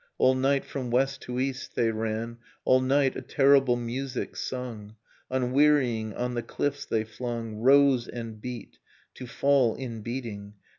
All night from west to east they ran. All night, a terrible music sung. Unwearying on the cliffs they flung, — Rose and beat, to fall in beating.